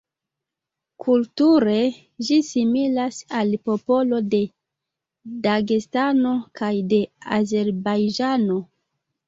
Kulture, ĝi similas al popolo de Dagestano kaj de Azerbajĝano.